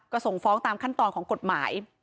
ก็ส่งฟ้องตามขั้นตอนของกฎหมาย